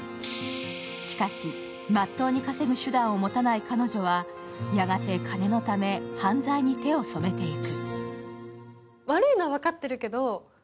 しかし、真っ当に稼ぐ手段を持たない彼女はやがて、金のため犯罪に手を染めていく。